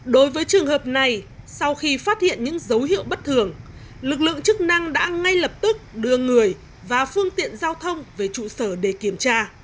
đối với trường hợp này sau khi phát hiện những dấu hiệu bất thường lực lượng chức năng đã ngay lập tức đưa người và phương tiện giao thông về trụ sở để kiểm tra